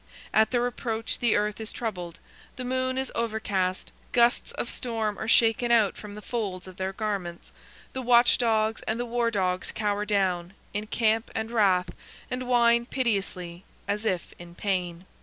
At their approach the earth is troubled, the moon is overcast, gusts of storm are shaken out from the folds of their garments, the watch dogs and the war dogs cower down, in camp and rath, and whine piteously, as if in pain.